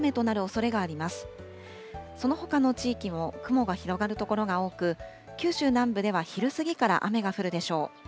そのほかの地域も、雲が広がる所が多く、九州南部では昼過ぎから雨が降るでしょう。